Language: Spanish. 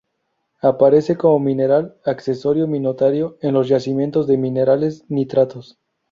Aparece como mineral accesorio minoritario en los yacimientos de minerales nitratos.